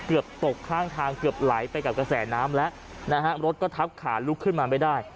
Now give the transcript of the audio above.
เกือบตกข้างทางเกือบไหลไปกับกระแสน้ำแล้วนะฮะรถก็ทับขาลุกขึ้นมาไม่ได้